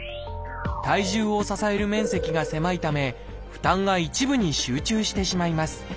体重を支える面積が狭いため負担が一部に集中してしまいます。